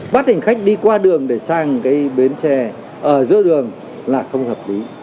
bắt hình khách đi qua đường để sang cái bến chè ở giữa đường là không hợp lý